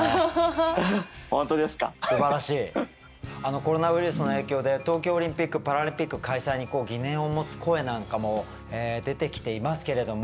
コロナウイルスの影響で東京オリンピックパラリンピック開催に疑念を持つ声なんかも出てきていますけれども。